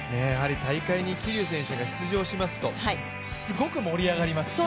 大会に桐生選手が出場しますとすごく盛り上がりますし。